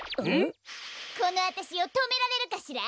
このあたしをとめられるかしら？